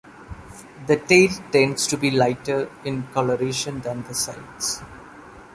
The tail tends to be lighter in coloration than the sides.